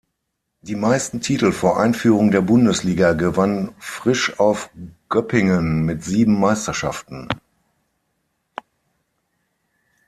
Die meisten Titel vor Einführung der Bundesliga gewann Frisch Auf Göppingen mit sieben Meisterschaften.